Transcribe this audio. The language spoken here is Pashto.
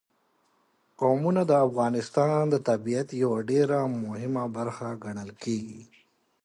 قومونه د افغانستان د طبیعت یوه ډېره مهمه برخه ګڼل کېږي.